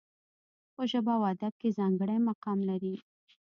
په ژبه او ادب کې ځانګړی مقام لري.